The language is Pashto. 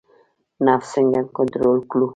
نفس څنګه کنټرول کړو؟